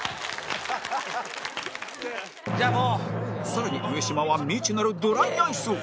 さらに上島は未知なるドライアイスを